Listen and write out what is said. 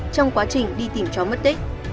trong quá trình đi tìm chó mất tích